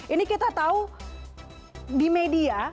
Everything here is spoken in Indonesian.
ini kita tahu di media